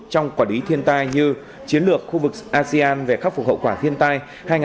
trong quản lý thiên tai như chiến lược khu vực asean về khắc phục hậu quả thiên tai hai nghìn hai mươi ba hai nghìn hai mươi năm